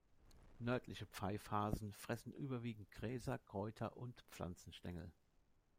Nördliche Pfeifhasen fressen überwiegend Gräser, Kräuter und Pflanzenstängel.